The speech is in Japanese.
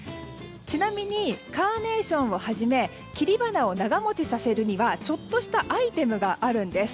ちなみにカーネーションをはじめ切り花を長持ちさせるにはちょっとしたアイテムがあるんです。